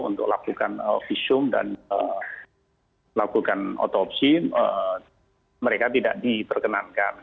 untuk lakukan visum dan lakukan otopsi mereka tidak diperkenankan